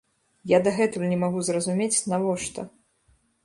Я дагэтуль не магу зразумець, навошта.